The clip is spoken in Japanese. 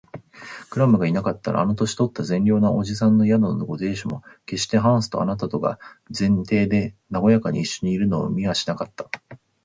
クラムがいなかったら、あの年とった善良な伯父さんの宿のご亭主も、けっしてハンスとあなたとが前庭でなごやかにいっしょにいるのを見はしなかった